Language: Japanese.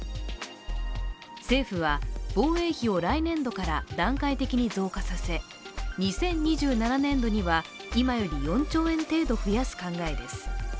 政府は防衛費を来年度から段階的に増加させ、２０２７年度には、今より４兆円程度増やす考えです。